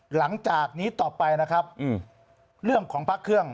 หลังจากนี้ต่อไปนะครับเรื่องของพระเครื่อง